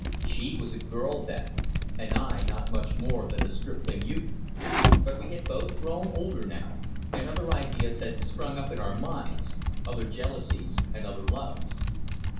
She was a girl then, and I not much more than a stripling youth. But we had both grown older now, and other ideas had sprung up in our minds, other jealousies and other loves.